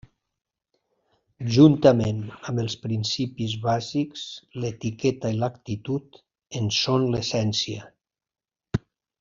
Juntament amb els principis bàsics, l'etiqueta i l'actitud en són l'essència.